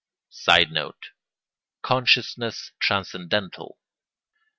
[Sidenote: Consciousness transcendental.